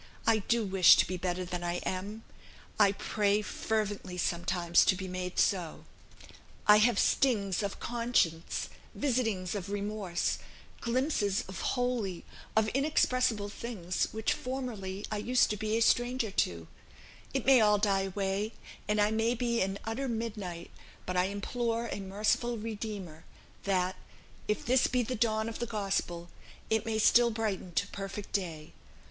I do wish to be better than I am. I pray fervently sometimes to be made so. I have stings of conscience, visitings of remorse, glimpses of holy, of inexpressible things, which formerly I used to be a stranger to; it may all die away, and I may be in utter midnight, but I implore a merciful Redeemer, that, if this be the dawn of the gospel, it may still brighten to perfect day.